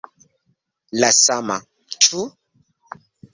La sama, ĉu?